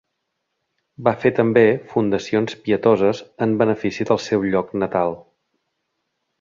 Va fer també fundacions pietoses en benefici del seu lloc natal.